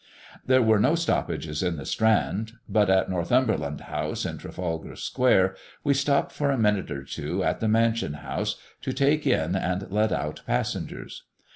There were no stoppages in the Strand; but at Northumberland House, in Trafalgar Square, we stop for a minute or two, as at the Mansion House, to take in and let out passengers.